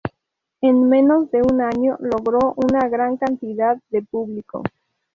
En menos de un año logró una gran cantidad de público.